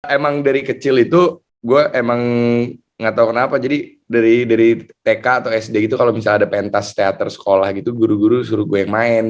emang dari kecil itu gue emang gak tau kenapa jadi dari tk atau sd gitu kalau misalnya ada pentas teater sekolah gitu guru guru suruh gue yang main